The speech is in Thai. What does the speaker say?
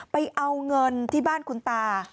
ไปเอาเงินที่บ้านคุณตา